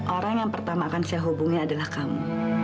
orang yang pertama akan saya hubungin adalah kamu